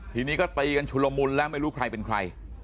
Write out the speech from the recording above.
ทีนี้ก็ตีกันชุลมุนแล้วไม่รู้ใครเป็นใคร